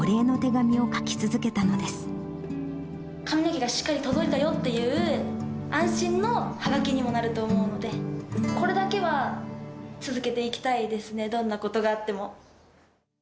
髪の毛がしっかり届いたよっていう安心のはがきにもなると思うので、これだけは続けていきたいですね、どんなことがあっても。